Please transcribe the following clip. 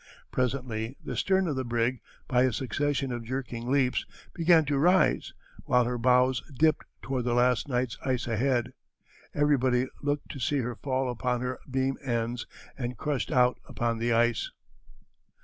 Presently the stern of the brig, by a succession of jerking leaps, began to rise, while her bows dipped toward the last night's ice ahead. Everybody looked to see her fall upon her beam ends and rushed out upon the ice."